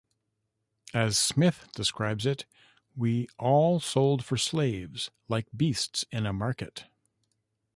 As Smith describes it: "we all sold for slaves, like beasts in a market".